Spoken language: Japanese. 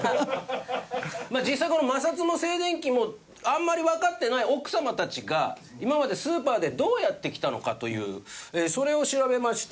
実際この摩擦も静電気もあんまりわかってない奥様たちが今までスーパーでどうやってきたのか？というそれを調べました。